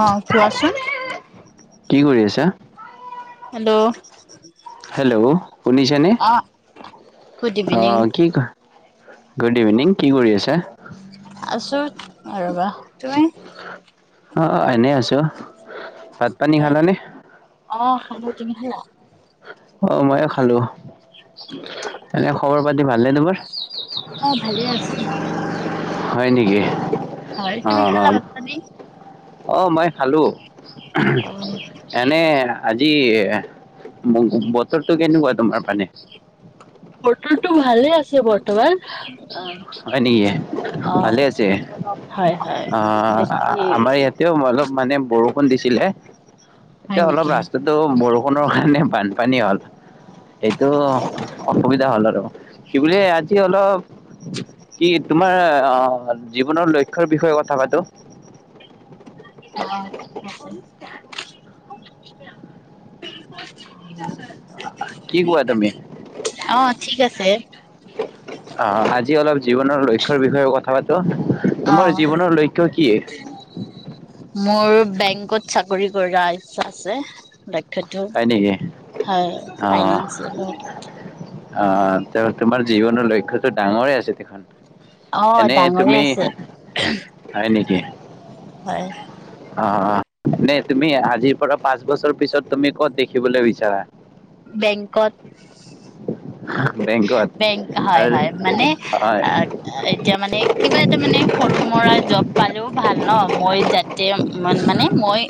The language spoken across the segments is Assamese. অহ, কোৱাচোন। কি কৰি আছা? দ' হেল্ল', শুনিছেনে? গুড ইভিনিং অহ, কি ক [inaudible] গুড ইভিনিং, কি কৰি আছা? অ', ৰ'বা। তুমি অহ, এনে আছোঁ। ভাত পানী খালানে? অহ, খালোঁ, তুমি খালা? অহ, ময়ো খালোঁ। [inaudible] এনে খবৰ পাতি ভাল অ', ভালে আছোঁ। [inaudible] হয় নেকি? [unintelligible] তুমি খালা ভাত পানী? অহ, মই খালো, অ এনে আজি [unintelligible] বতৰটো কেনেকুৱা তোমাৰ পানে? বতৰটো ভালে আছে বৰ্তমান। অ হয় নেকি? অ ভালে আছে, হয় হয় অ', বেছি আমাৰ ইয়াতেওঁ অলপ মানে বৰষুণ দিছিলে, হয় এতিয়া অলপ নেকি ৰাস্তাটো বৰষুণৰ কাৰণে বান পানী হ'ল, এইটো অসুবিধা হ'ল আৰু কি বুলি আজি অলপ কি, তোমাৰ অ', জীৱনৰ লক্ষ্যৰ বিষয়ে কথা পাতো। অহ, [unintelligible] কি কোৱা তুমি? অ [unintelligible] আহ আজি অলপ জীৱনৰ লক্ষ্যৰ বিষয়ে কথা পাতো। অ তোমাৰ জীৱনৰ লক্ষ্য কি? মোৰ বেংকত চাকৰি কৰা ইচ্ছা আছে। লক্ষ্যটো হয় নেকি, হয় অহ, ফাইনেন্সিয়েল অহ, ত' তোমাৰ জীৱনৰ লক্ষ্যটো ডাঙৰে আছে দেখোন। অ', এনে ডাঙৰেই তুমি আছে, হয় হয়। অহ, নে তুমি আজিৰ পৰা পাঁচ বছৰ পিছত তুমি ক'ত দেখিবলৈ বিচাৰা? বেংকত। [unintelligible] বেংক। হয় আৰু হয়, মানে হয় এতিয়া মানে, কিবা এটা মানে সৰু মৰা জব পালেও ভাল। ন', মই যাতে মানে মই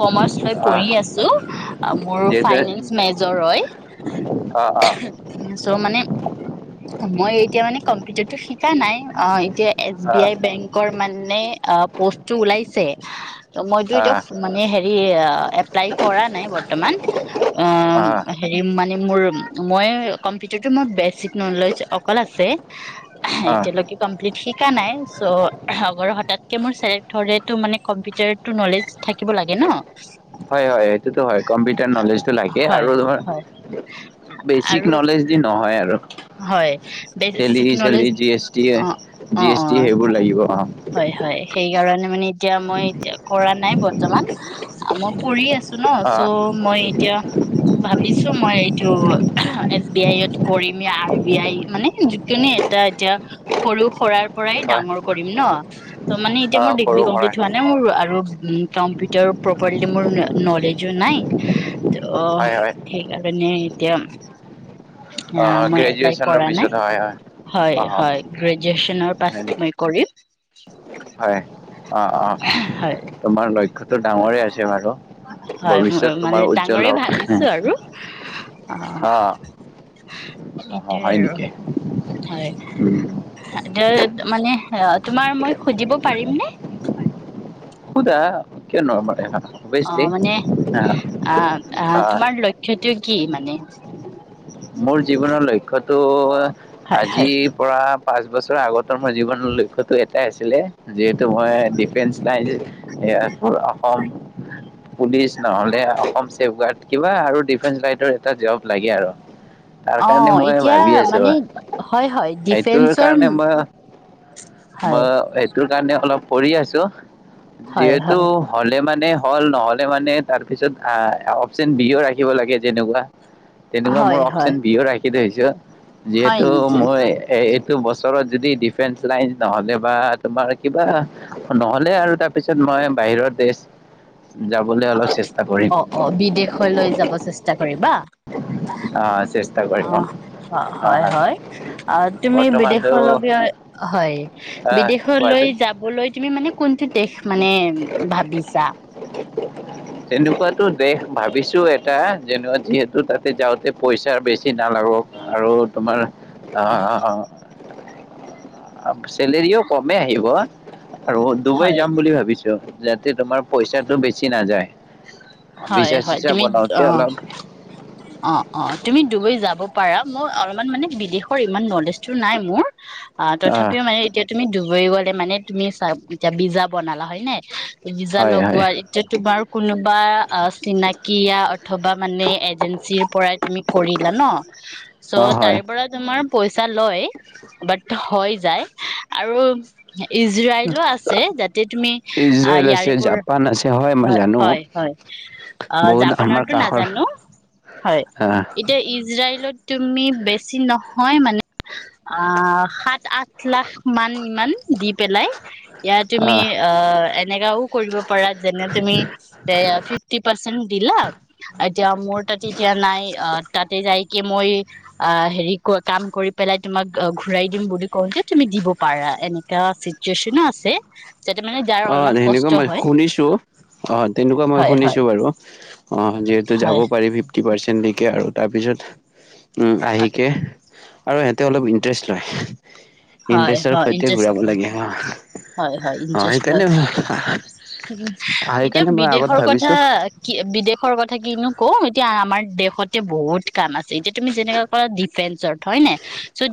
কমাৰ্চ লৈ অ পঢ়ি আছোঁ, মোৰ যিহেতু ফাইনেন্স মেজৰ হয়। অ অ চ' মানে মই এতিয়া মানে কম্পিউটাৰতটো শিকা নাই, অ', এতিয়া এছ বি অ আই বেংকৰ মানে, অ', পষ্টটো ওলাইছে। ত' মইতো এতিয়া আহ মানে হেৰি, এপ্লাই কৰা নাই বৰ্তমান। অ', আহ হেৰি মানে মোৰ মই কম্পিউটাৰতো মই বেছি নলেজ অকল আছে। আহ এতিয়ালৈকে কমপ্লিট শিকা নাই, চ' অগৰ হতাত কে মোৰ চিলেক্ট হলেটো, মানে কম্পিউটাৰটো নলেজ থাকিব লাগে ন'। হয় হয়, সেইটোতো হয়। কম্পিউটাৰ নলেজটো লাগে হয় আৰু তোমাৰ, হয় বেচিক আৰু নলেজ দি নহয় আৰু। হয় tele basic চেলি knowledge, G S T অ', জি অ', এছ টি অ', সেইবোৰ লাগিব অ অ হয় হয়, সেইকাৰণে মানে এতিয়া মই এতিয়া কৰা নাই বৰ্তমান, মই পঢ়ি আছোঁ ন', চ' মই এতিয়া ভাবিছো মই এইটো এছ বি আইত কৰিম। [unintelligible] আৰ বি আই মানে, যিকোনো এটা এতিয়া সৰু সৰা পৰাই হয় ডাঙৰ কৰিম ন'। ত', মানে এতিয়া অ মোৰ ডিগ্ৰী সৰু কমপ্লিট পৰাই হোৱা নাই মোৰ আৰু কম্পিউটাৰ প্ৰপাৰলি মোৰ নলেজো নাই অ', হয় হয় ঠিক আ নে এতিয়া অ', মই এপ্লাই গ্ৰেজুৱেশ্যনৰ কৰা নাই। পিছত হয় হয় অ হয় হয়, গ্ৰেজুৱেচনৰ হয় পাছত নেকি মই কৰিম। [inaudible] হয় [inaudible] অ', অ', হয় তোমাৰ লক্ষ্য ডাঙৰে আছে বাৰু, হয় মোৰ ভৱিষ্যত মানে তোমাৰ ডাঙৰে উজ্জ্বল হওঁক। ভাবিছো আৰু অ অ', অ', এইটোয়ে হয় আৰু নেকি? হয়। উম মানে, তোমাৰ মই সুধিব পাৰিমনে? সুদা কিয় [unintelligible] অ', মানে অ', তোমাৰ লক্ষ্যটো কি মানে? [unintelligible] মোৰ জীৱনৰ লক্ষ্য তো হয় হয় আজিৰ পৰা পাঁচ বছৰৰ আগতৰ মোৰ জীৱনৰ লক্ষ্যটো এটাই আছিলে। যিহেতু মই ডিফেন্স লাইন এই অসম পুলিচ নহলে অসম ছেফ গাৰ্ড। কিবা আৰু ডিফেন্স লাইডৰ এটা জব লাগে আৰু তাৰ কাৰণে অ', মই এতিয়া ভাবি আছো মানে হয় -হয় সেইটোৰ ডিফেন্সৰ কাৰণে মই হয়। মই সেইটোৰ কাৰণে অলপ পঢ়ি আছো। হয় যিহেতু হয় হলে মানে হ'ল নহলে মানে তাৰপিছত আহ অপচন বিও ৰাখিব লাগে যেনেকুৱা তেনেকুৱা মোৰ হয়-হয়। অপচন বিও ৰাখি থৈছো। যিহেতু মই হেৰিত বছৰত যদি ডিফেন্স লাইন নহ'লে বা তোমাৰ কিবা নহ'লে আৰু তাৰপিছত মই বাহিৰৰ দেশ যাবলৈ অলপ অ', চেষ্টা কৰিম অ', অ', বিদেশলৈ যাব চেষ্টা কৰিবা? আহ চেষ্টা কৰিম অ', অ', আহ হয়- হয় অ', তুমি বৰ্তমানতো বিদেশলৈে হয় আহ বিদেশলৈ কোৱাচোন যাবলৈ তুমি মানে কোনটো দেশ মানে ভাবিছা? তেনেকুৱাতো দেশ ভাবিছো এটা যেনো যিহেতু তাতে যাওঁতে পই ছা বেছি নালাগক আৰু তোমাৰ অ', অ', অ'। [unintelligible] চেলেৰিও কমেই আহিব। আৰু ডুবাই হয় যাম বুলি ভাবিছো। যাতে তোমাৰ পইচাটো বেছি নাযায়। হয় ভিজা -হয় চিজা তুমি বনাওতে অ', অলপ অ', অ', তুমি ডুবাই যাব পাৰা মই অলপমান মানে বিদেশৰ ইমান নলেজটো নাই মোৰ অ', আহ তথাপিও মানে এতিয়া তুমি ডু গৈ গলে মানে তুমি চা এতিয়া ভিজা বনালা, হয় নে? ভিজা হয় হয় লগোৱাৰ এতিয়া তোমাৰ কোনোবা ফা চিনাকী য়া অথবা মানে এজেঞ্চী পৰাই তুমি কৰিলা ন অ ছ' হয় তাৰে পৰা তোমা ৰ পইচা লয় বাট হৈ যায় আৰু ইজৰাইলো আছে যাতে তুমি অ', ইজৰাইল আছে ইয়াৰে পৰা, জাপান আছে মই হয়, জানো হয়, হয়। অ', বহুত আমাৰ জাপানৰটো কাষৰ নাজানো, হয়, আহ এতিয়া ইজৰাইলত তুম মি বেছি নহয় মানে অ', সাত, আঠ লাখ মান ইমান। দি পেলাই ইয়াত তুমি আহ অ', এনেকাও কৰিব পাৰা যেনে তুমি এ টি পাৰ্চেণ্ট দিলা, এতিয়া মোৰ তাত এতিয়া নাই তাতে [unintelligible] মই হেৰি কয় কাম কৰি পেলাই তোমাক ঘূৰাই দিম বুলি কওঁতে তুমি দিব পাৰা এনেকা চিটুৱেচনো আছে। যাতে মানে যাৰ অ', অলপমান সেনেকুৱা কষ্ট মই হয় শুনিছো অ', তেনেকুৱা হয় শুনিছোঁ বাৰু, অ', যিহেতু যাব হয় পাৰি ফিফটি পাৰ্চেণ্ট। [unintelligible] আৰু তাৰপিছত উম, হয় আহিকে। আৰু সিহঁতে অলপ ইণ্টাৰেষ্ট লয়। হয় ইণ্টাৰেষ্টৰ হয়, সৈতে ইনটাৰেষ্ট, ঘূৰাব লাগে অ হয় হয়, অ ইনটাৰেষ্ট লয় সেইকাৰণে এতিয়া সেইকাৰণে মই আগত বিদেশৰ কথা, ভাবিছো কি বিদেশৰ কথা কিনো কওঁ এতিয়া আমাৰ দেশতে বহুত কাম আছ এতিয়া তুমি যেনেকা কৰা ডিফেন্সৰ হয় নে, চ'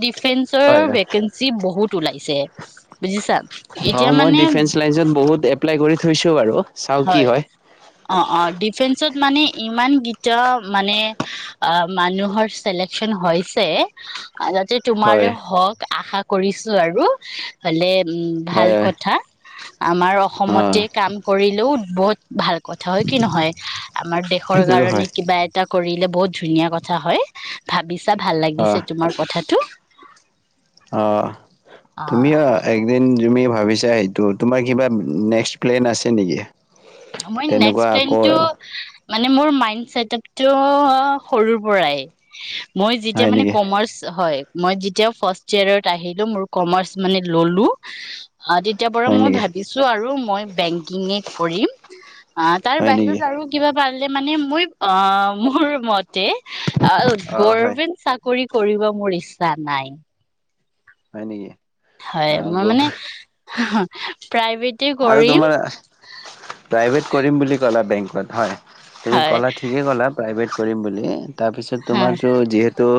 হয় ডিফেন্সৰ হয় কেঞ্চি বহুত ওলাইছে, বুজিছা অ এতিয়া মই মানে ডিফেন্স লাইনত বহুত এপ্লাই কৰি থৈছো বাৰু। চাও কি হয়। অ', অ', ডিফেন্সত মানে ইমান গিটা মানে, অ', মানুহৰ চিলেকচন হৈছে। যাতে তোমাৰে হয় হওঁক আশা কৰিছো আৰু। হলে উম, ভাল হয় হয় কথা। আমাৰ অ অসমতে কাম দিলেও বহুত ভাল কথা হয় কি নহয়, আমাৰ দেশৰ সেইটোতো কাৰণে হয় কিবা এটা কৰিলে বহুত ধুনীয়া কথা হয়, ভাবিছ ভাল অ লাগিছে তোমাৰ কথাটো। [inaudible] অ', তুমি অ', একদিন [unintelligible] ভাবিছা সেইটো তোমাৰ কিবা নেক্সট প্লেন আছে নেকি? মই নেক্সট তেনেকুৱা আকৌ প্লেণ্টটো মানে মোৰ মাইণ্ড ছেতাপ আপতটো সৰুৰ পৰাই [inaudible] মই যেতিয়া হয় মানে নেকি কমাৰ্চ হয় মই যেতিয়াও ফাৰ্ষ্ট ইয়েৰৰত আহিলো মোৰ কমাৰ্চ মানে ললো। অ' তেতিয়া পৰা হয় মই নেকি ভাবিছো আৰু মই বেংকিংয়ে কৰিম। আ তাৰ হয় নেকি বাহিৰত আৰু কিবা। পালে মানে মই অ মোৰ মত। তে অ হয় গৰভেন্ট চাকৰিত। কৰিব মোৰ ইচ্ছা নাই। হয় নেকি? হয় অ মই গম মানে। [unintelligible] আৰু কৰিম তোমাৰ প্ৰইভেট কৰিম বুলি কলা বেং কত হয়। তুমি হয় ক'লা ঠিকেই ক'লা। প্ৰাইভেট কৰিম বুলি। তাৰপিছত হয় তোমাৰতো যিহেতু।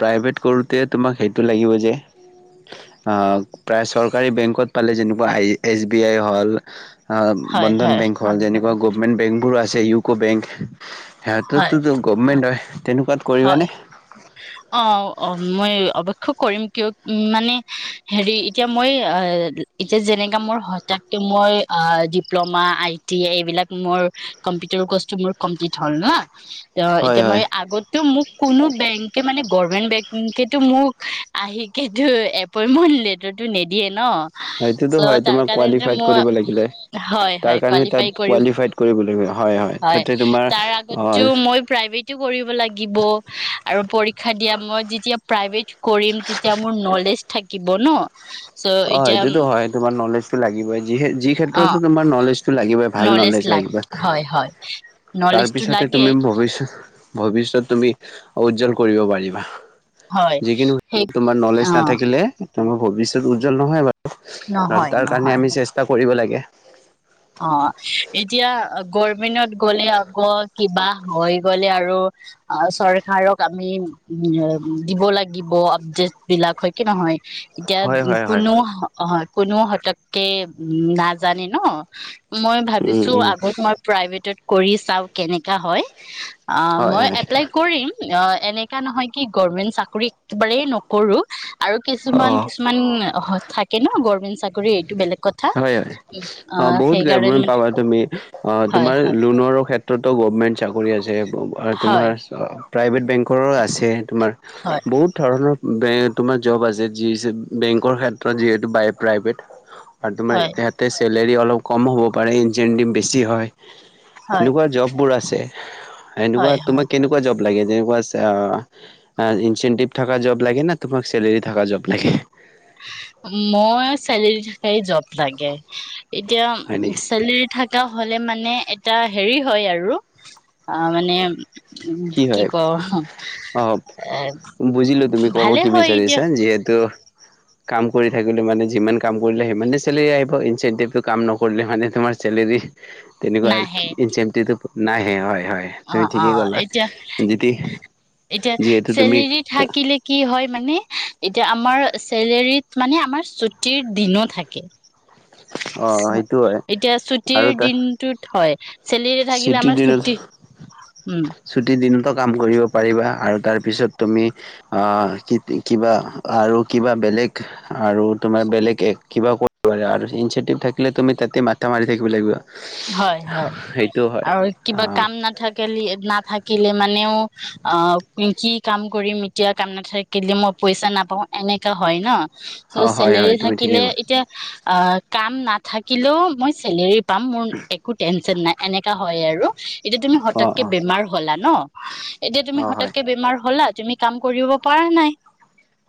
প্ৰাইভেট কৰোঁতে তোমাক সেইটো লাগিব যে প্ৰায় চৰকাৰী বেংকত পালে যেনেকুৱা হেই। এছ বি আই হ'ল। অ হয় বন্ধন হয় বেংক হ'ল যেনেকুৱা। বেংক বোৰো আছে ইউকো বেংক। সেহটোতো হয় গভমেণ্ট হয়। তেনেকুৱাত কৰিবানে হয় অ অ মই অৱ কৰিম কিয় মানে হেৰি এতিয়া মই এতিয়া যেনেকা মোৰ হতকে মই ডিপ্ল'মা আই টি এইবিলাক মোৰ কম্পিউটাৰ কৰ্চটো মোৰ কমপ্লিট হ'ল নহ ত হয় এতিয়া হয় মই আগত ত মোক কোনো বেংকে মানে গৰ্ভমেন্ট বেংকেটো মোক আহিকেতো এপইন্টমেন্ট লেটাৰটো নিদিয়ে ন। সেইটোতো হয় চ' তাৰ তোমাৰ কাৰণে কোৱালিফাই মই কৰিব লাগিলে, হয় তাৰ হয় কাৰনে কোৱালিফাই তাত কৰিব কোৱালিফাইড কৰিব লাগিব হয় হয় তাতে তোমাৰ অল ব আৰু পৰীক্ষা দিয়া মই যেতিয়া প্ৰাইভেট কৰিম যেতিয়া মোৰ নলেজ লেজ থাকিব ন চ' অ এতিয়া সেইটোতো হয় তোমাৰ নলেজটো লাগিবই যিহে যি অ ক্ষেত্ৰতো তোমাৰ নলেজটো। ভাল নলেজ লাগ লাগিব হয় হয় নলেজটো তাৰপিছতে লাগে তুমি ভৱিষ্য ভৱিষ্যত তুমি উজ্জ্বল কৰিব পাৰিবা। হয় যিকিনো সেই তোমাৰ নলেজ অ নাথাকিলে ভিবি উজ্জ্বল নহয়। নহয় তাৰ কাৰণে নহয় আমি চেষ্টা কৰোঁ। কৰিব লাগে। অ এতিয়া গৰমেনত। ক'লে আ। কিবা হৈ গ'লে আৰু চৰকাৰক আমি দিব লাগিব আপডেট বিলাক হয় কি নহয়। হয় এতিয়া হয় হয়। কোনো অ। কোনো হতকে উ নাজানে ন। [unintelligible] মই উম ভাবিছোঁ উম আগত মই প্ৰাইভেট কৰি চাওঁ কেনেকা হয়। অ হয় মই হয় এপ্লাই কৰিম। অ এনেকা নহয় কি গভমেন্ট চাকৰি একেবাৰেই নকৰোঁ। আৰু অ কিছুমান কিছুমান থাকে ন গমেন্ট চাকৰি এইটো বেলেগ কথা। হয় হয় অ বহুত সেইকাৰণে গেণ্ট মানে পাবা তুমি অ হয় তোমাৰ হয় লোনৰো ক্ষেত্ৰতো গভমেন্ট চাকৰি আছে তোমাৰ। হয়, প্ৰাইভেট বেংক। কৰোঁ আছে তোমাৰ। হয়, বহুত ধৰণৰ। বে তোমাক। জব আছে যি বেংকৰ ক্ষেত্ৰত যিহেতু বাই প্ৰাইভেট। আৰু তোমাৰ হয়, ইহতে চেলেৰী অলপ। কম হ'ব পাৰে ইনচেণ্টিভ বেছি হয়। হয়, এনেকুৱা জব বোৰ আছে। এনেকুৱা হয়, হয়। তোমাক কেনেকুৱা জব। [inaudible] চেলেৰি থকা জব লাগে। মই চেলেৰি থাকাই জব লাগে। হয় নেকি এতিয়া চেলেৰি থাকে। এটা হলে মানে এটা হেৰি হয় আৰু অ মানে। উম, কি হয় কওঁ অহ এ বুজিলো তুমি ক'ব ভালে কি হয় এতিয়া বিচাৰিছা যিহেতু কাম কৰি থাকিলে মানে যিমান কাম কৰিলে সিমানে চেলেৰি আহিব ইনচেনটিভ কাম নকৰিলে মানে তোমাৰ চেলেৰি তেনেকুৱা নাহে। ইনচেন্টিতো নাহে হয় হয় তুমি অ', অ' ঠিকেই কলা এতিয়া যদি এতিয়া যিহেতু তুমি চেলেৰি থাকিলে কি হয় মানে এতিয়া য়া আমাৰ চেলেৰত মানে আমাৰ ছুটিৰ দিনো থাকে অ সেইটো হয় এতিয়া ছুটিৰ আৰু তাৰ দিনটোত হয় চেলিৰে থাকিলে আমাৰ ছুটি উম ছুটি দিনত কাম কৰিব পাৰিবা আৰু তাৰপিছত তুমি অহ কিবা আৰু কিবা বেলেগ আৰু তোমাৰ বেলেগ কিবা কৰিব পাৰা আৰু ইনচেটিভ থাকিলে তুমি তাতে মাথা মাৰি থাকিব লাগিব লাগিবা। হয় হয় আৰু কিবা অ', কাম নাথাকিলি না থাকিলে মানেও অহ কি কাম কৰিম এতিয়া কাম নাথাকিলে মই পইচা নাপাও এনেকা হয় ন ত' অ', হয় চেলেৰি হয় তুমি ঠিকেই থাকিলে ক'লা এতিয়া অহ কাম নাথাকিলেও মই চেলেৰি পাম মোৰ একো টেনচন নাই এনেকা হয় আৰু এতিয়া তুমি অ', হতকে অ', বেমাৰ হলা। ন এতিয়া তুমি অ', হয় হতকে বেমাৰ হলা তুমি কাম কৰিব পাৰ নাই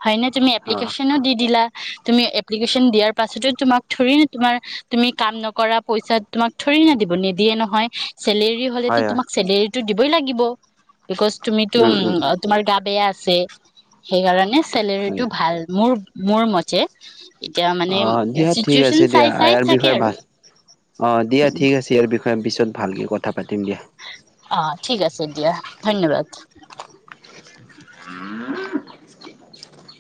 হয় নে তুমি অ', এপ্লিকেশ্যনো দি দিলা তুমি এপ্লিকেশ্যন দিয়াৰ পাছতো তোমাক ধৰি তোমাৰ তুমি কাম নকৰা পইচাত তোমাক থৰি না দিব নেদিয়ে নহয় চেলেৰি হয় হলেতো হয় তোমাক চেলেৰি টো দিবই লাগিব বিকজ্ তুমিতো উম, উম, তোমাৰ গা বেয়া আছিল যে সেইকাৰণে হয় চেলেৰিটো ভাল মোৰ মোৰ মতে এতিয়া মানে অহ দিয়া ঠিক চিটুৱেচন আছে দিয়া চাই চাই ইয়াৰ থাকে বিষয়ে আৰু ভাল অহ দিয়া ঠিক ইয়াৰ বিষয়ে পিছত ভালকে কথা পাতিম দিয়া। অ ঠিক আছে দিয়া। ধন্যবাদ। [unintelligible]